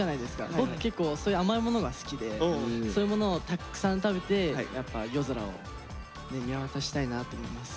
僕結構そういう甘いものが好きでそういうものをたくさん食べてやっぱ夜空を見渡したいなと思います。